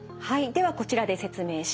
ではこちらで説明します。